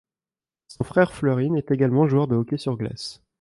Son frère Flurin est également joueur de hockey sur glace.